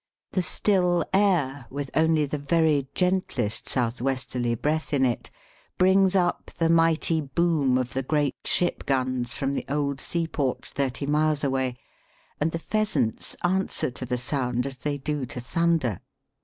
The still air, with only the very gentlest south westerly breath in it, brings up the mighty boom of the great ship guns from the old seaport, thirty miles away, and the pheasants answer to the sound as they do to thunder.